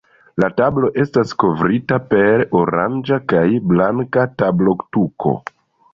La tablo estas kovrita per oranĝa kaj blanka tablotuko.